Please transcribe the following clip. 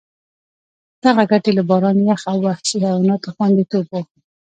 دغه ګټې له باران، یخ او وحشي حیواناتو خوندیتوب وو.